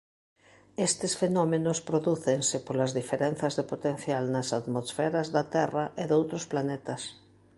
Estes fenómenos prodúcense polas diferenzas de potencial nas atmosferas da Terra e doutros planetas.